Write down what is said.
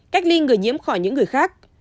cách ly người nhiễm khỏi những người khác